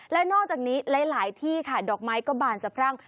และนอกจากนี้หลายที่ค่ะดอกไม้ก็บานสะพรั่ง